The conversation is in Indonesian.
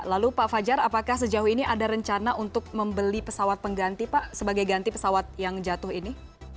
lalu pak fajar apakah sejauh ini ada rencana untuk membeli pesawat pengganti pak sebagai ganti pesawat yang jatuh ini